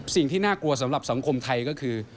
สิ่งที่น่ากลัวสำหรับสังคมไทยก็คือ